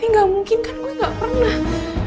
ini gak mungkin kan gue gak pernah